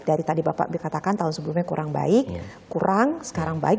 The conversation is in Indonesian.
dari tadi bapak katakan tahun sebelumnya kurang baik kurang sekarang baik